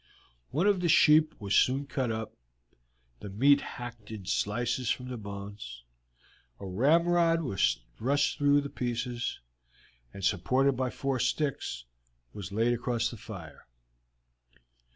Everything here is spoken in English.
One of the sheep was soon cut up, the meat hacked in slices from the bones, a ramrod was thrust through the pieces, and, supported by four sticks, was laid across the fire.